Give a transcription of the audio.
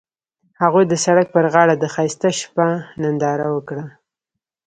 هغوی د سړک پر غاړه د ښایسته شپه ننداره وکړه.